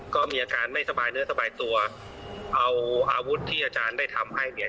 ก็มีอาการไม่สบายเนื้อสบายตัวเอาอาวุธที่อาจารย์ได้ทำให้เนี่ย